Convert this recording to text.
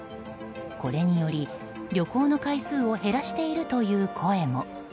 これにより旅行の回数を減らしているという声も。